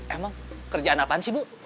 emang kerjaan apaan sih bu